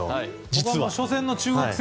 僕は初戦の中国戦